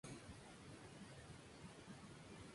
De tres hermanas, fue la hermana del medio.